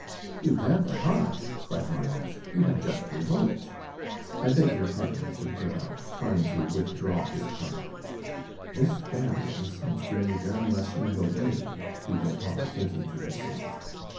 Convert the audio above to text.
"You have a heart!" cried Marneffe. "You have just revoked." "I beg your pardon," said Crevel, trying to withdraw his card. "This Baron seems to me very much in the way," he went on, thinking to himself.